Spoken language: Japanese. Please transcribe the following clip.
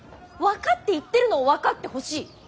分かって言ってるのを分かってほしい。